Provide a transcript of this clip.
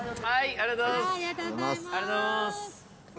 ありがとうございます。